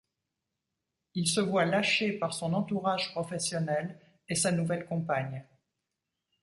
Il se voit lâché par son entourage professionnel et sa nouvelle compagne.